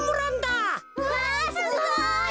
うわすごい！